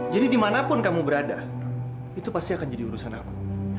dimanapun kamu berada itu pasti akan jadi urusan aku